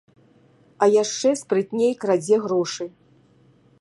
А яшчэ спрытней крадзе грошы.